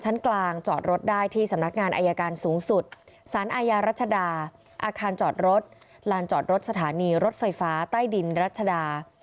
กลางจอดรถได้ที่สำนักงานอายการสูงสุดสารอาญารัชดาอาคารจอดรถลานจอดรถสถานีรถไฟฟ้าใต้ดินรัชดา